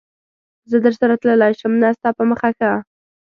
زه درسره تللای شم؟ نه، ستا په مخه ښه.